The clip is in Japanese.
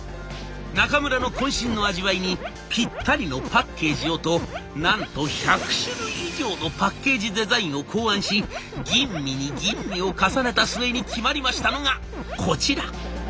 中村のこん身の味わいにぴったりのパッケージをとなんと１００種類以上のパッケージデザインを考案し吟味に吟味を重ねた末に決まりましたのがこちら。